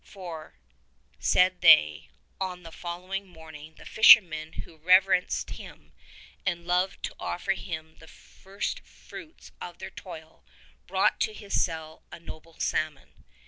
For, said they, on the following morning the fishermen who reverenced him and loved to offer him the first fruits of their toil, brought to his cell a noble salmon.